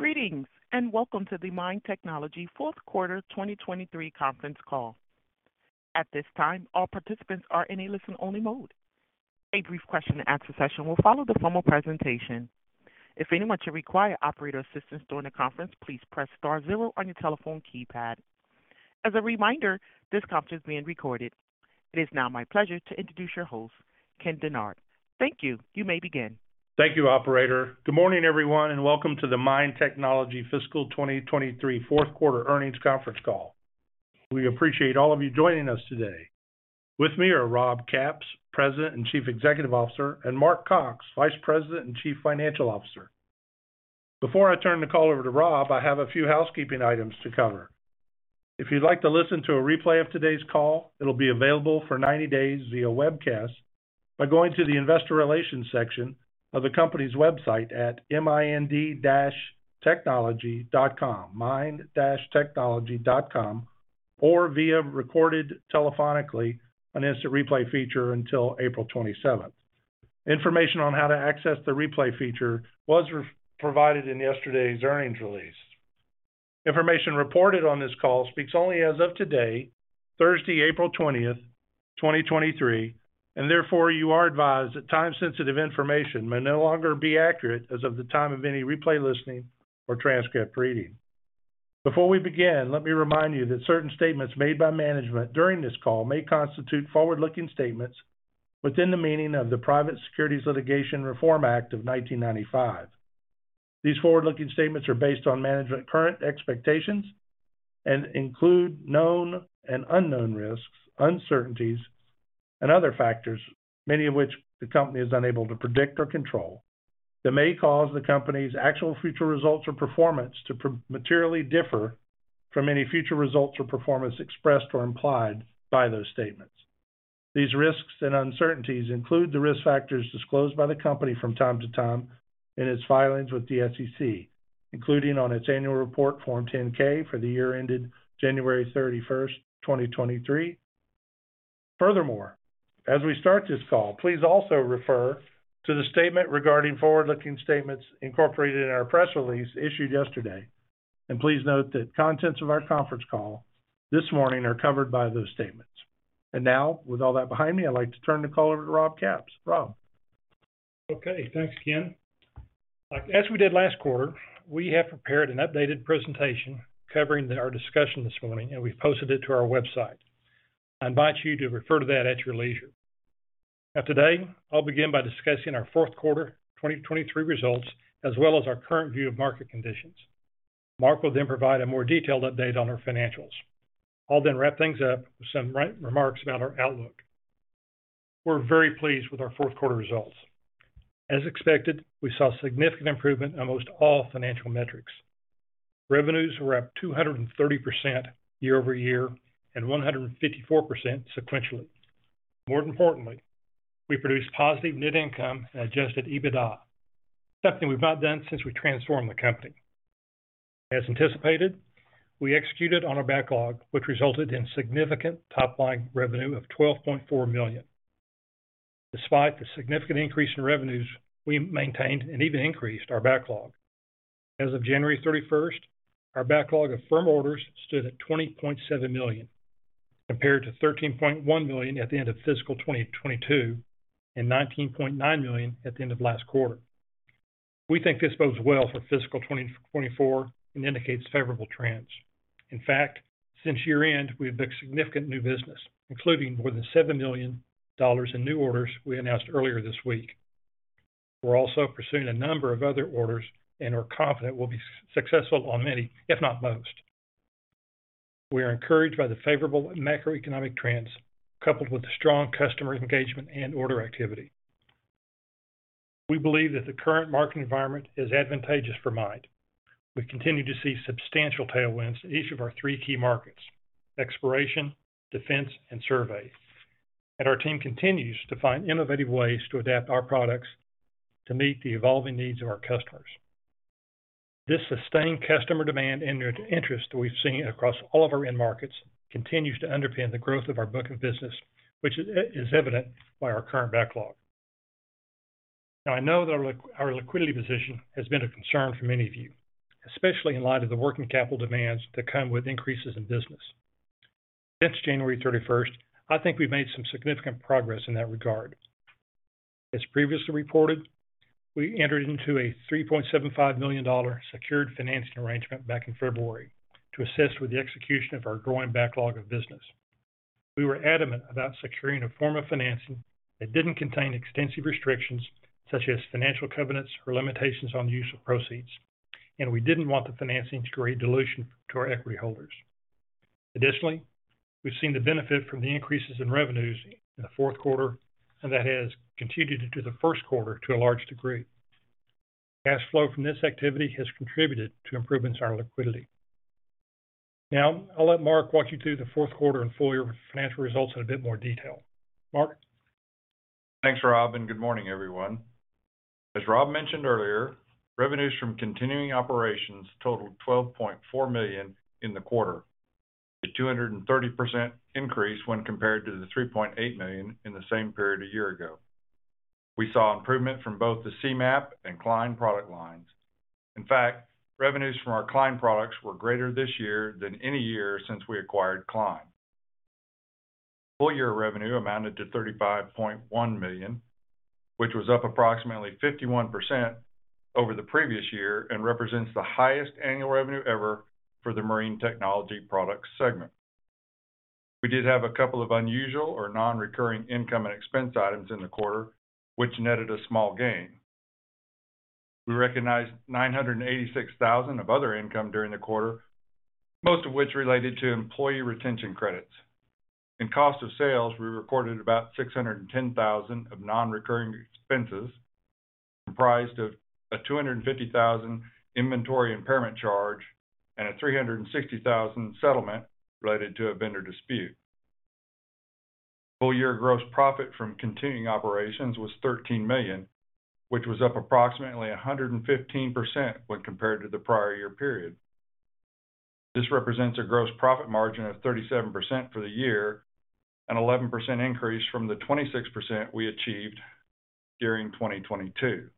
Greetings, welcome to the MIND Technology 4Q 2023 conference call. At this time, all participants are in a listen-only mode. A brief question and answer session will follow the formal presentation. If anyone should require operator assistance during the conference, please press star zero on your telephone keypad. As a reminder, this conference is being recorded. It is now my pleasure to introduce your host, Ken Dennard. Thank you. You may begin. Thank you, operator. Good morning, everyone, and welcome to the MIND Technology fiscal 2023 4Q earnings conference call. We appreciate all of you joining us today. With me are Rob Capps, President and Chief Executive Officer, and Mark Cox, Vice President and Chief Financial Officer. Before I turn the call over to Rob, I have a few housekeeping items to cover. If you'd like to listen to a replay of today's call, it'll be available for 90 days via webcast by going to the investor relations section of the company's website at mind-technology.com, mind-technology.com, or via recorded telephonically on instant replay feature until 27 April. Information on how to access the replay feature was provided in yesterday's earnings release. Information reported on this call speaks only as of today, Thursday, 20 April 2023, and therefore, you are advised that time-sensitive information may no longer be accurate as of the time of any replay listening or transcript reading. Before we begin, let me remind you that certain statements made by management during this call may constitute forward-looking statements within the meaning of the Private Securities Litigation Reform Act of 1995. These forward-looking statements are based on management current expectations and include known and unknown risks, uncertainties, and other factors, many of which the company is unable to predict or control, that may cause the company's actual future results or performance to materially differ from any future results or performance expressed or implied by those statements. These risks and uncertainties include the risk factors disclosed by the company from time to time in its filings with the SEC, including on its annual report Form 10-K for the year ended January 31st, 2023. As we start this call, please also refer to the statement regarding forward-looking statements incorporated in our press release issued yesterday. Please note that contents of our conference call this morning are covered by those statements. Now, with all that behind me, I'd like to turn the call over to Rob Capps. Rob? Okay. Thanks, Ken. As we did last quarter, we have prepared an updated presentation covering our discussion this morning, we've posted it to our website. I invite you to refer to that at your leisure. Today, I'll begin by discussing our 4Q 2023 results as well as our current view of market conditions. Mark will provide a more detailed update on our financials. I'll wrap things up with some remarks about our outlook. We're very pleased with our 4Q results. As expected, we saw significant improvement in almost all financial metrics. Revenues were up 230% year-over-year and 154% sequentially. More importantly, we produced positive net income and Adjusted EBITDA, something we've not done since we transformed the company. As anticipated, we executed on our backlog, which resulted in significant top-line revenue of $12.4 million. Despite the significant increase in revenues, we maintained and even increased our backlog. As of 31 January, our backlog of firm orders stood at $2.7 million, compared to $13.1 million at the end of fiscal 2022 and $19.9 million at the end of last quarter. We think this bodes well for fiscal 2024 and indicates favorable trends. In fact, since year-end, we've booked significant new business, including more than $7 million in new orders we announced earlier this week. We're also pursuing a number of other orders and are confident we'll be successful on many, if not most. We are encouraged by the favorable macroeconomic trends coupled with the strong customer engagement and order activity. We believe that the current market environment is advantageous for MIND. We continue to see substantial tailwinds in each of our three key markets: exploration, defense, and survey. Our team continues to find innovative ways to adapt our products to meet the evolving needs of our customers. This sustained customer demand and the interest we've seen across all of our end markets continues to underpin the growth of our book of business, which is evident by our current backlog. Now I know that our liquidity position has been a concern for many of you, especially in light of the working capital demands that come with increases in business. Since 31 January, I think we've made some significant progress in that regard. As previously reported, we entered into a $3.75 million secured financing arrangement back in February to assist with the execution of our growing backlog of business. We were adamant about securing a form of financing that didn't contain extensive restrictions such as financial covenants or limitations on the use of proceeds, and we didn't want the financing to create dilution to our equity holders. Additionally, we've seen the benefit from the increases in revenues in the 4Q, and that has continued into the 1Q to a large degree. Cash flow from this activity has contributed to improvements in our liquidity. I'll let Mark walk you through the 4Q and full year financial results in a bit more detail. Mark? Thanks, Rob. Good morning, everyone. As Rob mentioned earlier, revenues from continuing operations totaled $12.4 million in the quarter. A 230% increase when compared to the $3.8 million in the same period a year ago. We saw improvement from both the Seamap and Klein product lines. In fact, revenues from our Klein products were greater this year than any year since we acquired Klein. Full year revenue amounted to $35.1 million, which was up approximately 51% over the previous year and represents the highest annual revenue ever for the Marine Technology Products segment. We did have a couple of unusual or non-recurring income and expense items in the quarter, which netted a small gain. We recognized $986,00 of other income during the quarter, most of which related to Employee Retention Credit. In cost of sales, we recorded about $610,000 of non-recurring expenses, comprised of a $250,000 inventory impairment charge and a $360,000 settlement related to a vendor dispute. Full year gross profit from continuing operations was $13 million, which was up approximately 115% when compared to the prior year period. This represents a gross profit margin of 37% for the year, an 11% increase from the 26% we achieved during 2022.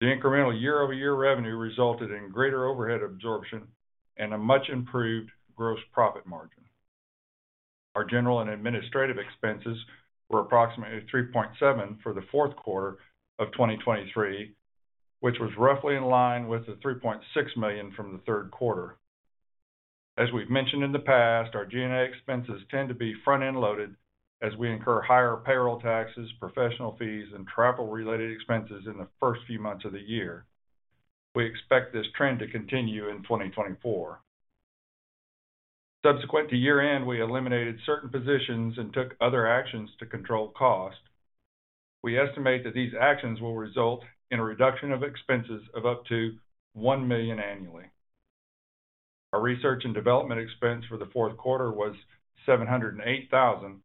The incremental year-over-year revenue resulted in greater overhead absorption and a much improved gross profit margin. Our general and administrative expenses were approximately $3.7 million for the 4Q of 2023, which was roughly in line with the $3.6 million from the 3Q. As we've mentioned in the past, our G&A expenses tend to be front-end loaded as we incur higher payroll taxes, professional fees, and travel-related expenses in the first few months of the year. We expect this trend to continue in 2024. Subsequent to year-end, we eliminated certain positions and took other actions to control cost. We estimate that these actions will result in a reduction of expenses of up to $1 million annually. Our research and development expense for the 4Q was $708,000,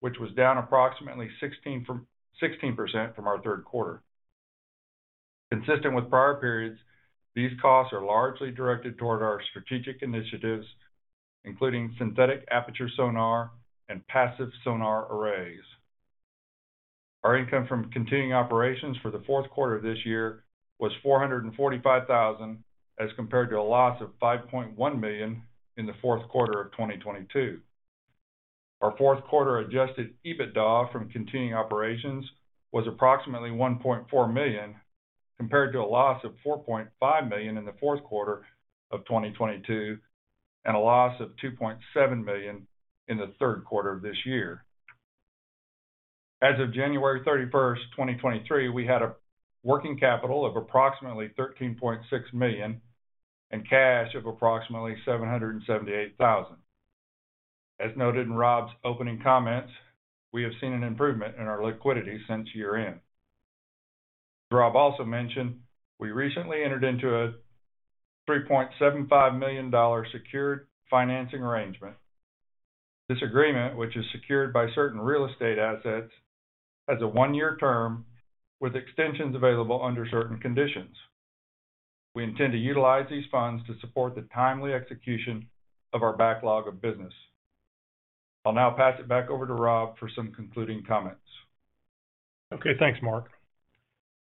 which was down approximately 16% from our 3Q. Consistent with prior periods, these costs are largely directed toward our strategic initiatives, including Synthetic Aperture Sonar and passive sonar arrays. Our income from continuing operations for the 4Q this year was $445,000 as compared to a loss of $5.1 million in the 4Q of 2022. Our 4Q Adjusted EBITDA from continuing operations was approximately $1.4 million, compared to a loss of $4.5 million in the 4Q of 2022, and a loss of $2.7 million in the 3Q of this year. As of January 31, 2023, we had a working capital of approximately $13.6 million and cash of approximately $778,000. As noted in Rob's opening comments, we have seen an improvement in our liquidity since year-end. Rob also mentioned we recently entered into a $3.75 million secured financing arrangement. This agreement, which is secured by certain real estate assets, has a one-year term with extensions available under certain conditions. We intend to utilize these funds to support the timely execution of our backlog of business. I'll now pass it back over to Rob for some concluding comments. Okay, thanks, Mark.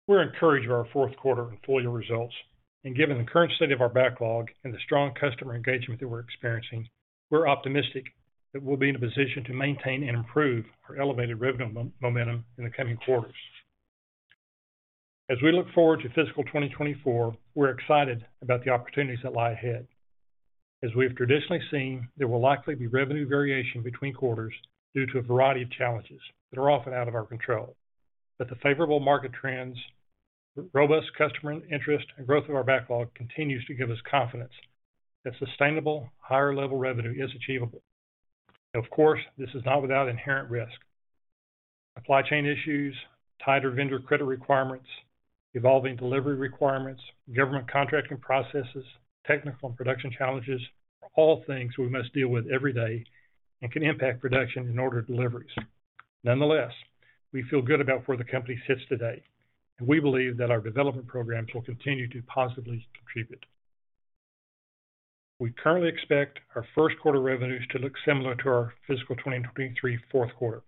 We're encouraged by our 4Q and full year results. Given the current state of our backlog and the strong customer engagement that we're experiencing, we're optimistic that we'll be in a position to maintain and improve our elevated revenue momentum in the coming quarters. As we look forward to fiscal 2024, we're excited about the opportunities that lie ahead. As we have traditionally seen, there will likely be revenue variation between quarters due to a variety of challenges that are often out of our control. The favorable market trends, the robust customer interest, and growth of our backlog continues to give us confidence that sustainable higher-level revenue is achievable. Of course, this is not without inherent risk. Supply chain issues, tighter vendor credit requirements, evolving delivery requirements, government contracting processes, technical and production challenges are all things we must deal with every day and can impact production and order deliveries. Nonetheless, we feel good about where the company sits today, and we believe that our development programs will continue to positively contribute. We currently expect our 1Q revenues to look similar to our fiscal 2023 4Q.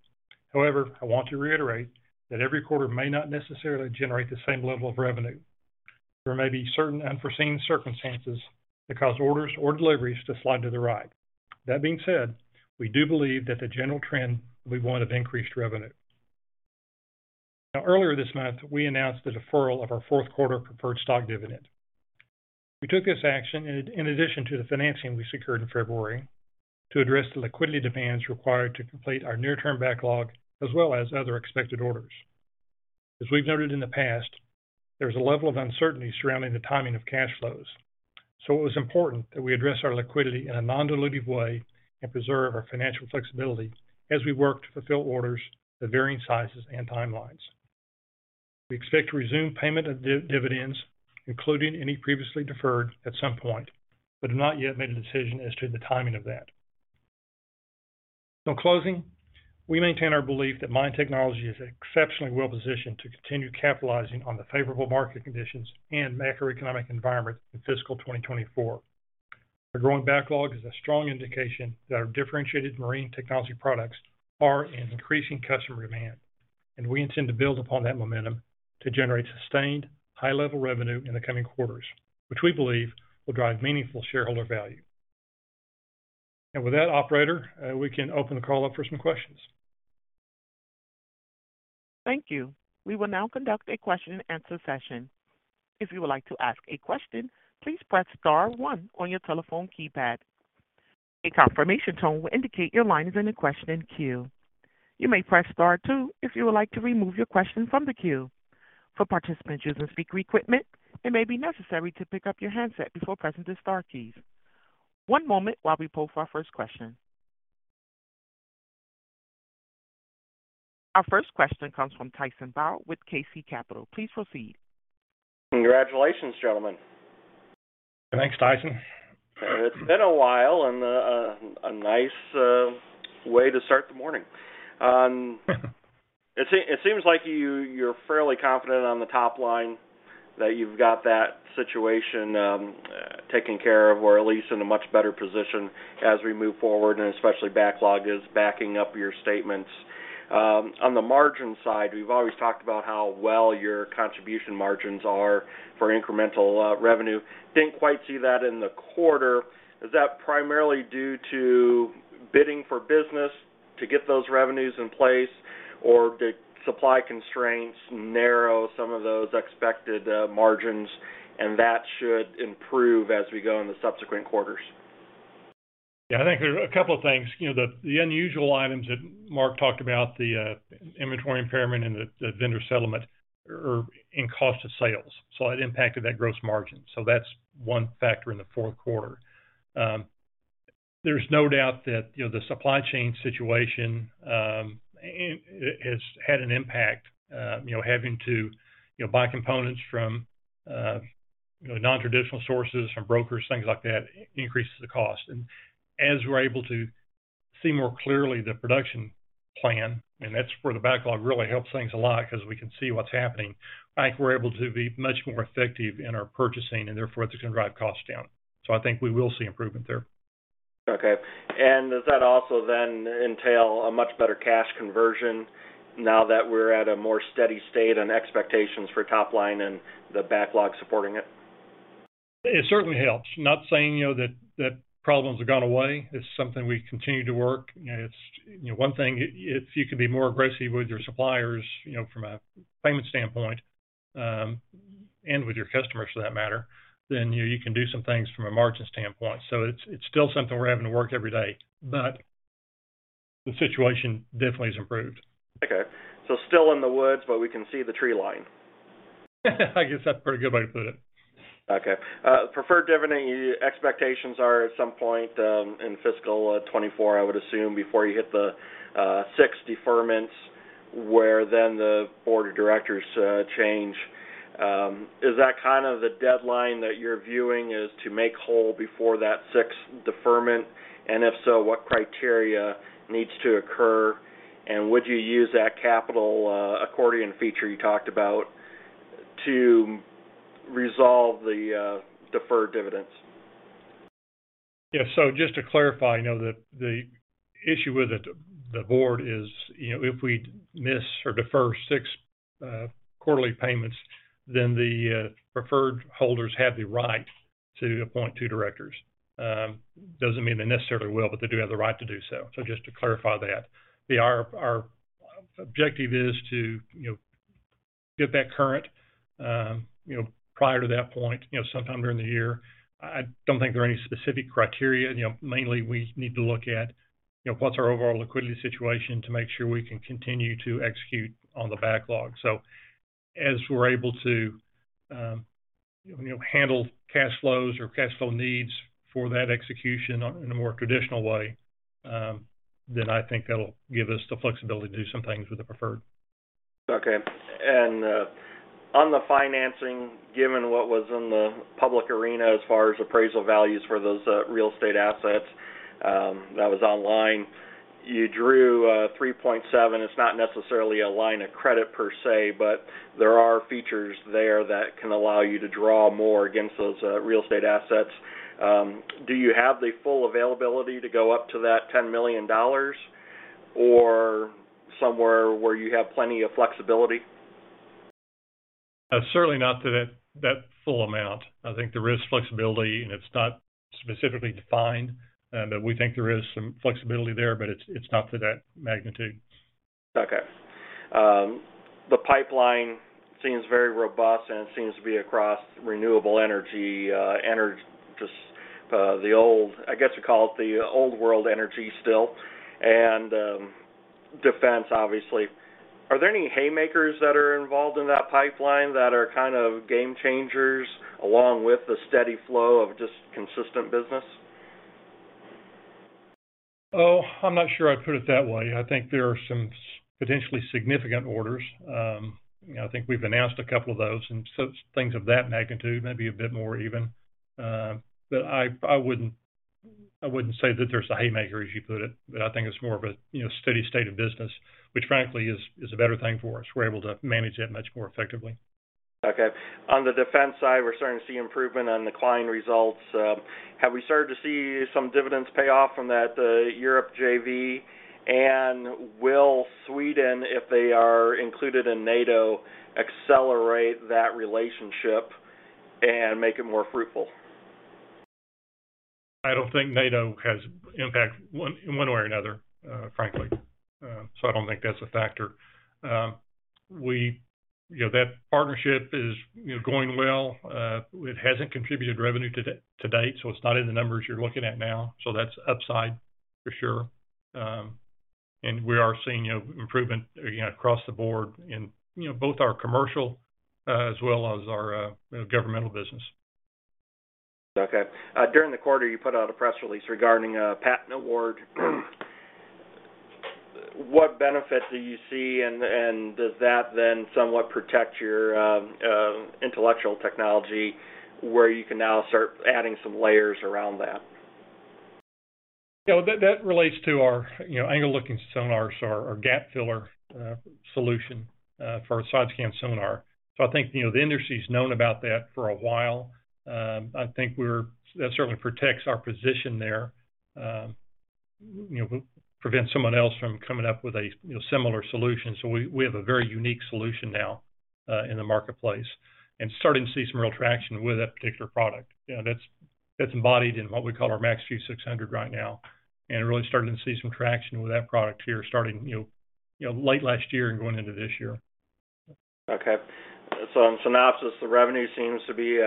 However, I want to reiterate that every quarter may not necessarily generate the same level of revenue. There may be certain unforeseen circumstances that cause orders or deliveries to slide to the right. That being said, we do believe that the general trend will be one of increased revenue. Earlier this month, we announced the deferral of our 4Q preferred stock dividend. We took this action in addition to the financing we secured in February to address the liquidity demands required to complete our near-term backlog, as well as other expected orders. As we've noted in the past, there's a level of uncertainty surrounding the timing of cash flows, so it was important that we address our liquidity in a non-dilutive way and preserve our financial flexibility as we work to fulfill orders of varying sizes and timelines. We expect to resume payment of dividends, including any previously deferred at some point, but have not yet made a decision as to the timing of that. In closing, we maintain our belief that MIND Technology is exceptionally well positioned to continue capitalizing on the favorable market conditions and macroeconomic environment in fiscal 2024. Our growing backlog is a strong indication that our differentiated marine technology products are in increasing customer demand, and we intend to build upon that momentum to generate sustained high-level revenue in the coming quarters, which we believe will drive meaningful shareholder value. With that, operator, we can open the call up for some questions. Thank you. We will now conduct a question and answer session. If you would like to ask a question, please press star 1 on your telephone keypad. A confirmation tone will indicate your line is in a question in queue. You may press star two if you would like to remove your question from the queue. For participants using speaker equipment, it may be necessary to pick up your handset before pressing the star keys. One moment while we poll for our first question. Our first question comes from Tyson Bauer with KC Capital. Please proceed. Congratulations, gentlemen. Thanks, Tyson. It's been a while and a nice way to start the morning. It seems like you're fairly confident on the top line that you've got that situation taking care of, or at least in a much better position as we move forward, and especially backlog is backing up your statements. On the margin side, we've always talked about how well your contribution margins are for incremental revenue. Didn't quite see that in the quarter. Is that primarily due to bidding for business to get those revenues in place? Or did supply constraints narrow some of those expected margins and that should improve as we go in the subsequent quarters? Yeah, I think there are a couple of things. You know, the unusual items that Mark talked about, the inventory impairment and the vendor settlement are in cost of sales, so it impacted that gross margin. That's one factor in the 4Q. There's no doubt that, you know, the supply chain situation has had an impact. You know, having to, you know, buy components from, you know, non-traditional sources, from brokers, things like that increases the cost. As we're able to see more clearly the production plan, and that's where the backlog really helps things a lot 'cause we can see what's happening, I think we're able to be much more effective in our purchasing and therefore that's gonna drive costs down. I think we will see improvement there. Okay. Does that also then entail a much better cash conversion now that we're at a more steady state and expectations for top line and the backlog supporting it? It certainly helps. Not saying, you know, that problems have gone away. It's something we continue to work. You know, it's, you know, one thing, if you can be more aggressive with your suppliers, you know, from a payment standpoint, and with your customers for that matter, then, you know, you can do some things from a margin standpoint. It's still something we're having to work every day. The situation definitely has improved. Okay. Still in the woods, but we can see the tree line. I guess that's a pretty good way to put it. Okay. preferred dividend expectations are at some point in fiscal 24, I would assume, before you hit the six deferments where the board of directors change. Is that kind of the deadline that you're viewing is to make whole before that 6 deferment? If so, what criteria needs to occur? Would you use that capital accordion feature you talked about to resolve the deferred dividends? Just to clarify, you know, the issue with it, the board is, you know, if we miss or defer six quarterly payments, then the preferred holders have the right to appoint two directors. Doesn't mean they necessarily will, but they do have the right to do so. Just to clarify that. Our objective is to, you know, get that current, you know, prior to that point, you know, sometime during the year. I don't think there are any specific criteria. You know, mainly we need to look at, you know, what's our overall liquidity situation to make sure we can continue to execute on the backlog. As we're able to, you know, handle cash flows or cash flow needs for that execution in a more traditional way, then I think that'll give us the flexibility to do some things with the preferred. Okay. On the financing, given what was in the public arena as far as appraisal values for those real estate assets, that was online, you drew $3.7. It's not necessarily a line of credit per say, but there are features there that can allow you to draw more against those real estate assets. Do you have the full availability to go up to that $10 million or somewhere where you have plenty of flexibility? Certainly not to that full amount. I think there is flexibility, and it's not specifically defined, but we think there is some flexibility there, but it's not to that magnitude. Okay. The pipeline seems very robust, and it seems to be across renewable energy, just I guess you call it the old world energy still and defense obviously. Are there any haymakers that are involved in that pipeline that are kind of game changers, along with the steady flow of just consistent business? Oh, I'm not sure I'd put it that way. I think there are some potentially significant orders. I think we've announced a couple of those. Things of that magnitude, maybe a bit more even. I wouldn't say that there's the haymaker, as you put it. I think it's more of a, you know, steady state of business, which frankly is a better thing for us. We're able to manage that much more effectively. Okay. On the defense side, we're starting to see improvement on the client results. Have we started to see some dividends pay off from that Europe JV? Will Sweden, if they are included in NATO, accelerate that relationship and make it more fruitful? I don't think NATO has impact one, in one way or another, frankly. I don't think that's a factor. You know, that partnership is, you know, going well. It hasn't contributed revenue to date, so it's not in the numbers you're looking at now. That's upside for sure. We are seeing, you know, improvement, you know, across the board in, you know, both our commercial, as well as our, you know, governmental business. Okay. During the quarter, you put out a press release regarding a patent award. What benefit do you see, and does that then somewhat protect your intellectual technology, where you can now start adding some layers around that? You know, that relates to our, you know, angle looking sonars, our gap filler solution for side scan sonar. I think, you know, the industry's known about that for a while. That certainly protects our position there. You know, prevents someone else from coming up with a, you know, similar solution. We have a very unique solution now in the marketplace, and starting to see some real traction with that particular product. You know, that's embodied in what we call our MAXQ 600 right now, and really starting to see some traction with that product here, starting, you know, late last year and going into this year. Okay. In synopsis, the revenue seems to be,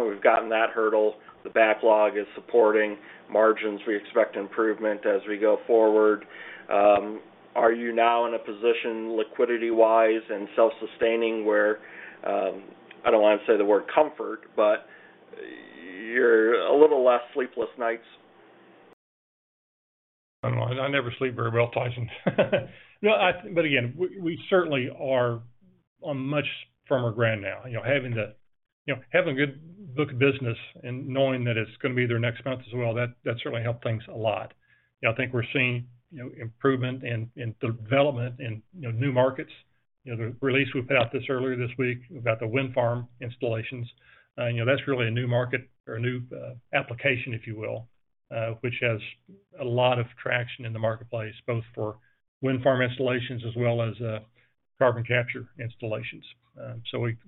we've gotten that hurdle. The backlog is supporting margins. We expect improvement as we go forward. Are you now in a position liquidity-wise and self-sustaining where, I don't wanna say the word comfort, but you're a little less sleepless nights? I don't know. I never sleep very well, Tyson. Again, we certainly are on much firmer ground now. You know, have a good book of business and knowing that it's gonna be there next month as well, that certainly helped things a lot. You know, I think we're seeing, you know, improvement in the development in, you know, new markets. You know, the release we put out this earlier this week about the wind farm installations, you know, that's really a new market or a new application, if you will, which has a lot of traction in the marketplace, both for wind farm installations as well as carbon capture installations.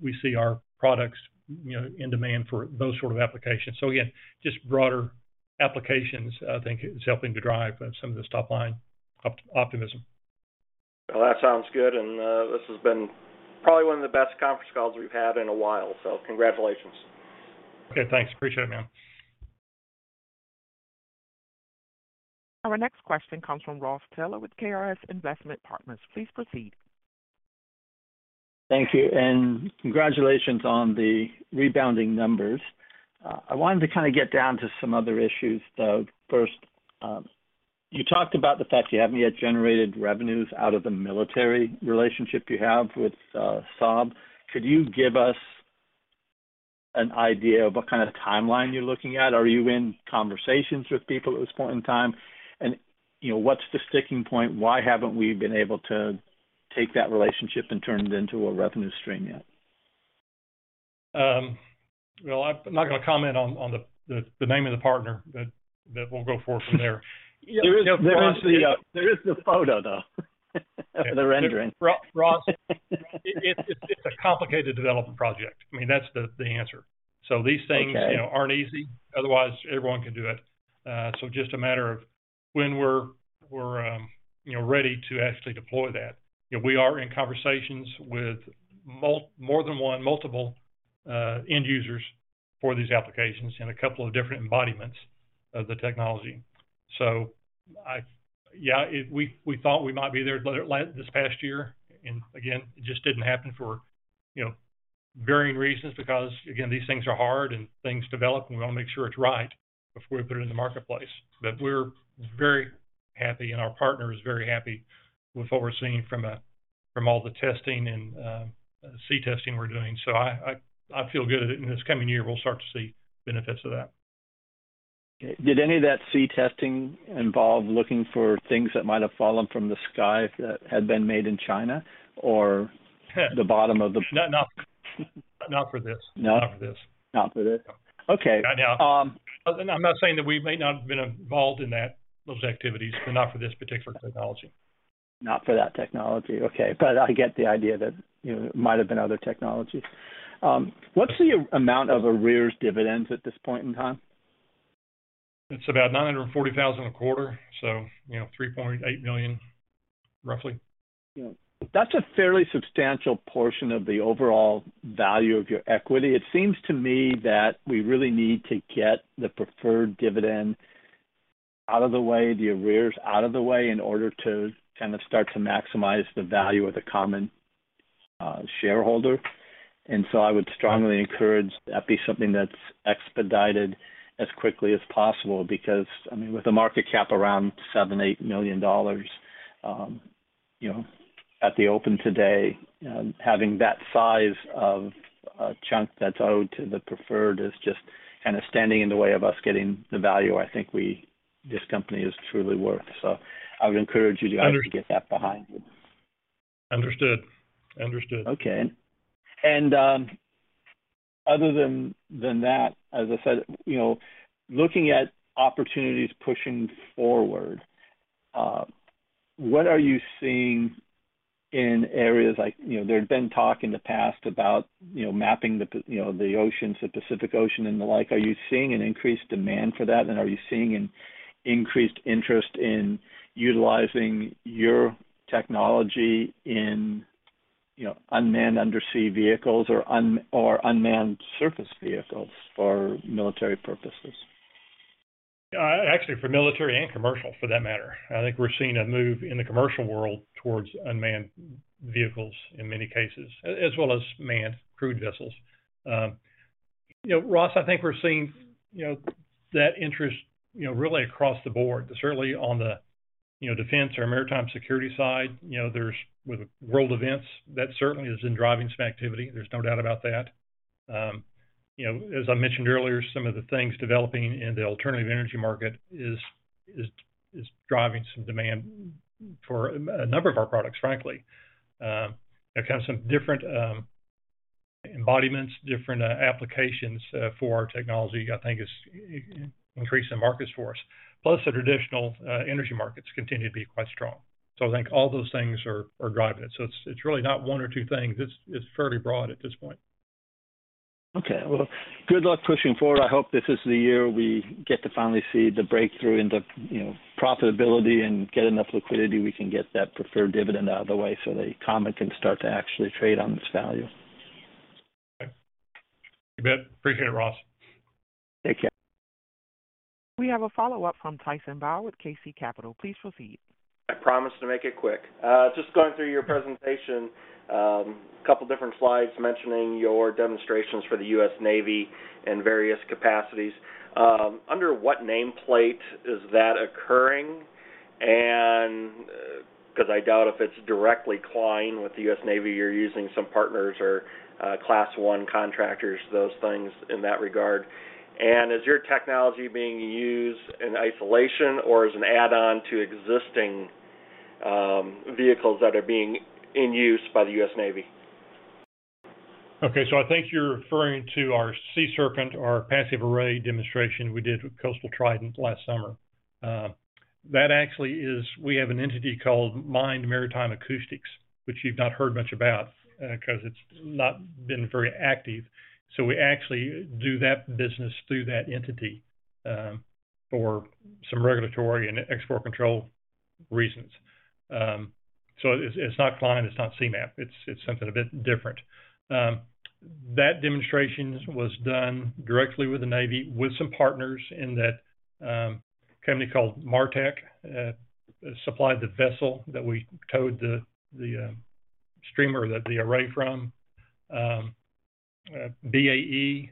We see our products, you know, in demand for those sort of applications. Again, just broader applications, I think is helping to drive some of this top line optimism. Well, that sounds good. This has been probably one of the best conference calls we've had in a while, so congratulations. Okay, thanks. Appreciate it, man. Our next question comes from Ross Taylor with ARS Investment Partners. Please proceed. Thank you, and congratulations on the rebounding numbers. I wanted to kinda get down to some other issues, though. First, you talked about the fact you haven't yet generated revenues out of the military relationship you have with Saab. Could you give us an idea of what kind of timeline you're looking at? Are you in conversations with people at this point in time? You know, what's the sticking point? Why haven't we been able to take that relationship and turn it into a revenue stream yet? Well, I'm not gonna comment on the name of the partner, but we'll go forward from there. There is the photo, though of the rendering. Ross, it's a complicated development project. I mean, that's the answer. Okay. These things, you know, aren't easy, otherwise everyone can do it. just a matter of when we're, you know, ready to actually deploy that. You know, we are in conversations with more than one, multiple end users for these applications in a couple of different embodiments of the technology. Yeah, we thought we might be there this past year, and again, it just didn't happen for, you know, varying reasons because, again, these things are hard and things develop, and we wanna make sure it's right before we put it in the marketplace. We're very happy and our partner is very happy with what we're seeing from all the testing and sea testing we're doing. I feel good in this coming year, we'll start to see benefits of that. Okay. Did any of that sea testing involve looking for things that might have fallen from the sky that had been made in China? No, not for this. No? Not for this. Not for this? No. Okay. Not now. I'm not saying that we may not have been involved in that, those activities, but not for this particular technology. Not for that technology, okay. I get the idea that, you know, it might have been other technology. What's the amount of arrears dividends at this point in time? It's about $940,000 a quarter, you know, $3.8 million, roughly. Yeah. That's a fairly substantial portion of the overall value of your equity. It seems to me that we really need to get the preferred dividend out of the way, the arrears out of the way in order to kind of start to maximize the value of the common shareholder. I would strongly encourage that be something that's expedited as quickly as possible. I mean, with the market cap around $7 million-$8 million, you know, at the open today, having that size of chunk that's owed to the preferred. It's standing in the way of us getting the value I think this company is truly worth. I would encourage you guys to get that behind you. Understood. Understood. Okay. Other than that, as I said, you know, looking at opportunities pushing forward, what are you seeing in areas like, you know, there had been talk in the past about, you know, mapping the oceans, the Pacific Ocean and the like. Are you seeing an increased demand for that? Are you seeing an increased interest in utilizing your technology in, you know, unmanned undersea vehicles or unmanned surface vehicles for military purposes? Actually for military and commercial, for that matter. I think we're seeing a move in the commercial world towards unmanned vehicles in many cases, as well as manned crewed vessels. You know, Ross, I think we're seeing, you know, that interest, you know, really across the board. Certainly on the, you know, defense or maritime security side, you know, there's with world events, that certainly is then driving some activity. There's no doubt about that. You know, as I mentioned earlier, some of the things developing in the alternative energy market is driving some demand for a number of our products, frankly. They've had some different embodiments, different applications for our technology, I think is increasing markets for us. The traditional energy markets continue to be quite strong. I think all those things are driving it. It's really not one or two things. It's fairly broad at this point. Well, good luck pushing forward. I hope this is the year we get to finally see the breakthrough into, you know, profitability and get enough liquidity we can get that preferred dividend out of the way so that common can start to actually trade on this value. Okay. You bet. Appreciate it, Ross. Take care. We have a follow-up from Tyson Bauer with KC Capital. Please proceed. I promise to make it quick. Just going through your presentation, couple different slides mentioning your demonstrations for the U.S. Navy in various capacities. Under what nameplate is that occurring? Because I doubt if it's directly Klein with the U.S. Navy, you're using some partners or, class one contractors, those things in that regard. Is your technology being used in isolation or as an add-on to existing vehicles that are being in use by the U.S. Navy? I think you're referring to our Sea Serpent or passive array demonstration we did with Coastal Trident last summer. That actually is. We have an entity called MIND Maritime Acoustics, which you've not heard much about, 'cause it's not been very active. We actually do that business through that entity, for some regulatory and export control reasons. It's, it's not Klein, it's not SeaMap. It's, it's something a bit different. That demonstration was done directly with the Navy with some partners in that company called Martec, supplied the vessel that we towed the streamer, the array from. BAE,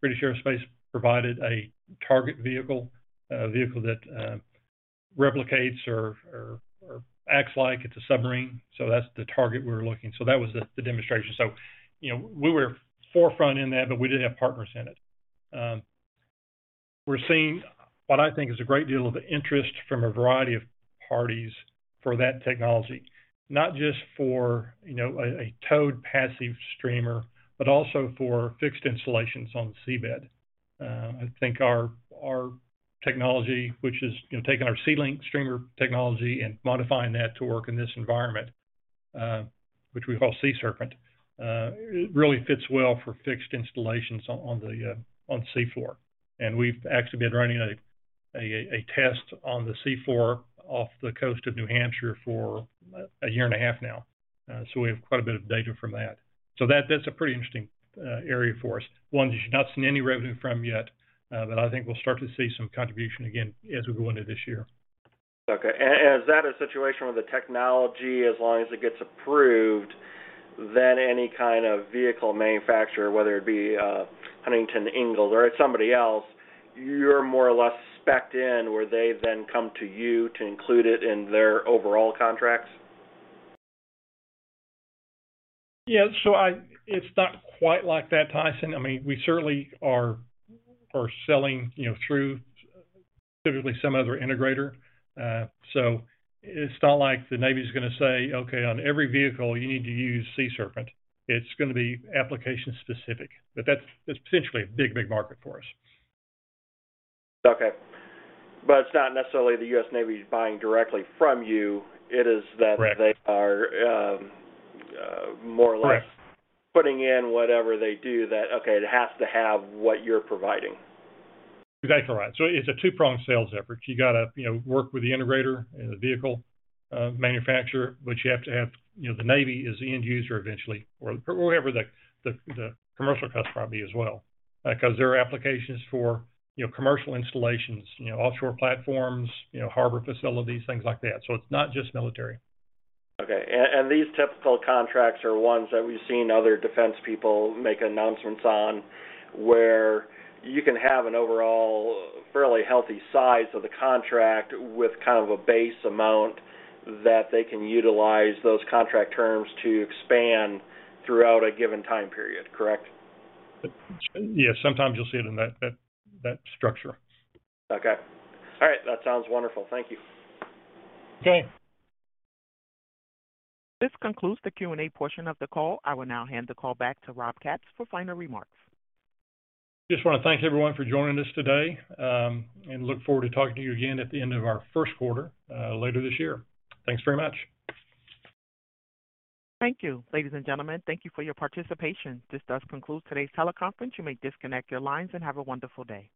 British Aerospace provided a target vehicle that replicates or acts like it's a submarine. That's the target we were looking. That was the demonstration. You know, we were forefront in that, but we did have partners in it. We're seeing what I think is a great deal of interest from a variety of parties for that technology, not just for, you know, a towed passive streamer, but also for fixed installations on the seabed. I think our technology, which is, you know, taking our SeaLink streamer technology and modifying that to work in this environment, which we call Sea Serpent, it really fits well for fixed installations on the seafloor. We've actually been running a test on the seafloor off the coast of New Hampshire for a year and a half now. We have quite a bit of data from that. That's a pretty interesting area for us. One that you've not seen any revenue from yet, I think we'll start to see some contribution again as we go into this year. Okay. Is that a situation where the technology, as long as it gets approved, then any kind of vehicle manufacturer, whether it be, Huntington Ingalls or somebody else, you're more or less specced in, where they then come to you to include it in their overall contracts? Yeah. It's not quite like that, Tyson. I mean, we certainly are selling, you know, through typically some other integrator. It's not like the Navy is gonna say, "Okay, on every vehicle, you need to use Sea Serpent." It's gonna be application specific. That's potentially a big, big market for us. Okay. it's not necessarily the U.S. Navy is buying directly from you. It is that-. Correct. they are, more or less Correct. putting in whatever they do that, okay, it has to have what you're providing. Exactly right. It's a two-pronged sales effort. You gotta, you know, work with the integrator and the vehicle manufacturer, but you have to have. You know, the Navy is the end user eventually or wherever the commercial customer would be as well. 'Cause there are applications for, you know, commercial installations, you know, offshore platforms, you know, harbor facilities, things like that. It's not just military. Okay. These typical contracts are ones that we've seen other defense people make announcements on, where you can have an overall fairly healthy size of the contract with kind of a base amount that they can utilize those contract terms to expand throughout a given time period. Correct? Yes. Sometimes you'll see it in that structure. Okay. All right. That sounds wonderful. Thank you. Okay. This concludes the Q&A portion of the call. I will now hand the call back to Rob Capps for final remarks. Just wanna thank everyone for joining us today, and look forward to talking to you again at the end of our 1Q, later this year. Thanks very much. Thank you. Ladies and gentlemen, thank you for your participation. This does conclude today's teleconference. You may disconnect your lines and have a wonderful day.